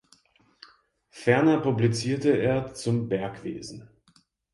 Ferner publizierte er zum Bergwesen.